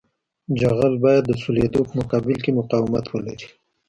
جغل باید د سولېدو په مقابل کې مقاومت ولري